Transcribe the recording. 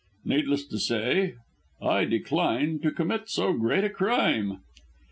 Needless to say, I decline to commit so great a crime."